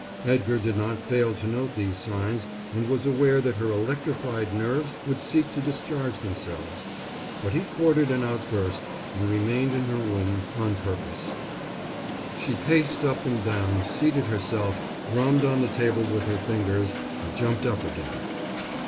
Edgar did not fail to note these signs and was aware that her electrified nerves would seek to discharge themselves, but he courted an outburst and remained in her room on purpose. She paced up and down, seated herself, drummed on the table with her fingers, and jumped up again.